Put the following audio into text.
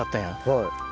はい。